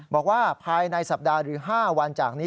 บอกว่าภายในสัปดาห์หรือ๕วันจากนี้